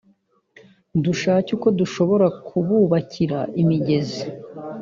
dushake uko dushobora kububakira imigezi